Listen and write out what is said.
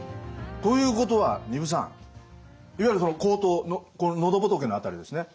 ということは丹生さんいわゆる喉頭喉仏の辺りですね